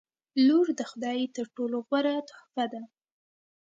• لور د خدای تر ټولو غوره تحفه ده.